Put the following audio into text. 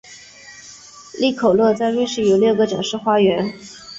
利口乐在瑞士有六个展示花园。